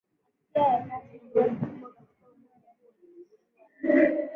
Asia ya Kati Nafasi kubwa katika umoja huo ilichukuliwa na